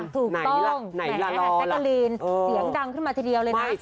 ถูกต้องแกะกะลีนเสียงดังขึ้นมาทีเดียวเลยนะอ่าถูกต้อง